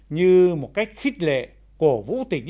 như một cách khít lệ cổ vũ tình